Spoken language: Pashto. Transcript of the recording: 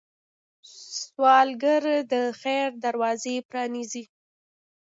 سوالګر د خیر دروازې پرانيزي